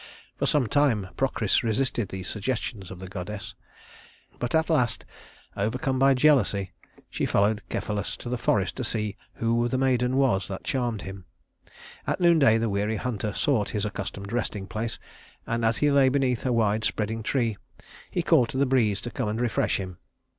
For some time Procris resisted these suggestions of the goddess; but at last, overcome by jealousy, she followed Cephalus to the forest to see who the maiden was that charmed him. At noonday the weary hunter sought his accustomed resting place; and as he lay beneath a wide spreading tree, he called to the breeze to come and refresh him.